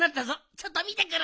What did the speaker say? ちょっとみてくる！